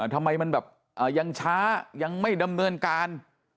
ทำไมมันแบบยังช้ายังไม่ดำเนินการ